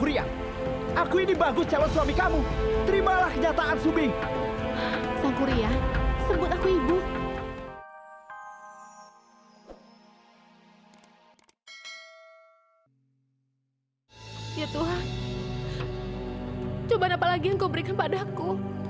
ya tuhan apa lagi yang kau berikan padaku